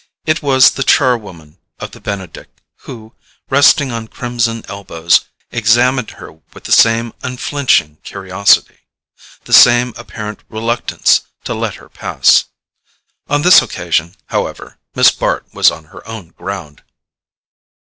It was the char woman of the Benedick who, resting on crimson elbows, examined her with the same unflinching curiosity, the same apparent reluctance to let her pass. On this occasion, however, Miss Bart was on her own ground.